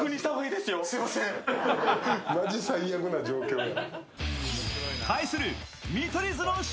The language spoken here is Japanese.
まじ最悪な状況や。